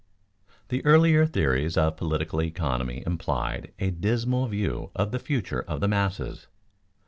_The earlier theories of political economy implied a dismal view of the future of the masses.